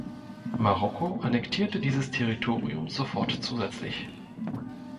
Marokko annektierte dieses Territorium sofort zusätzlich.